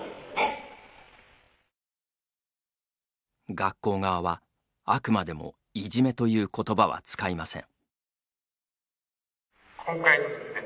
学校側は、あくまでもいじめということばは使いません。